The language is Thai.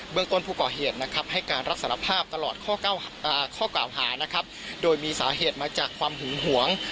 เบื้องต้นผู้ก่อเหตุให้การรักษาลัพธ์ภาพตลอดข้อเก่าหาโดยมีสาเหตุมาจากความหึงหวง